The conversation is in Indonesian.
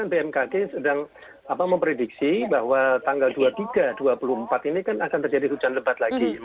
bmkg sedang memprediksi bahwa tanggal dua puluh tiga dua puluh empat ini kan akan terjadi hujan lebat lagi